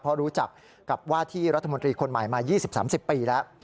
เพราะรู้จักกับว่าที่รัฐมนตรีคนใหม่มา๒๐๓๐ปีแล้ว